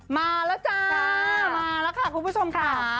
มาแล้วจ้าคุณผู้ชมค่ะ